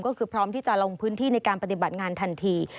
ก็คือพร้อมที่จะลงพื้นที่ในการปฏิบัติงานทันที